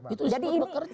itu disebut bekerja